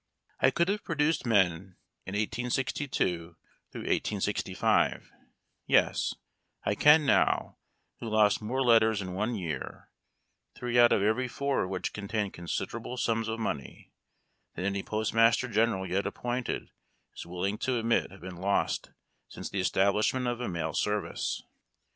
I could have produced men in 1862 5, yes — I can now — who lost more letters in one 3'ear, three out of every four of which contained considerable sums of money, than any postmaster general yet appointed is Avilling to admit have been lost since the establishment of a mail service.